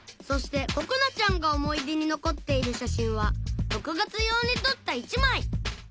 そしてここなちゃんが思い出に残っている写真は６月用に撮った１枚